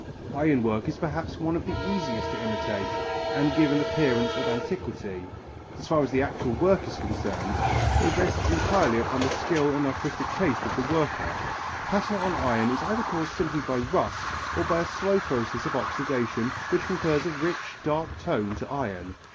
Iron work is perhaps one of the easiest to imitate and give an appearance of antiquity. As far as the actual work is concerned, it rests entirely upon the skill and artistic taste of the worker. Patina on iron is either caused simply by rust or by a slow process of oxidation which confers a rich, dark tone to iron.